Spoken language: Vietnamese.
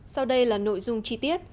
sau đây là nội dung chi tiết